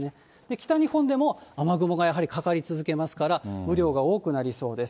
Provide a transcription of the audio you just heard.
北日本でも雨雲がやはりかかり続けますから、雨量が多くなりそうです。